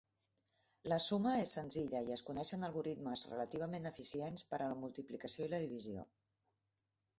La suma és senzilla i es coneixien algoritmes relativament eficients per a la multiplicació i la divisió.